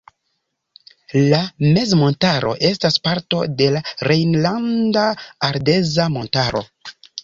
La mezmontaro estas parto de la Rejnlanda Ardeza Montaro.